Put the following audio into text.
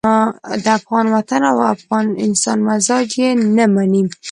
د افغان وطن او افغان انسان مزاج یې نه مني.